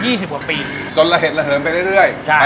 สิบกว่าปีจนระเหตุระเหินไปเรื่อยเรื่อยใช่